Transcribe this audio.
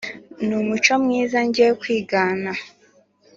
n’umuco mwiza njye nkwigana